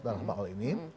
terhadap hal ini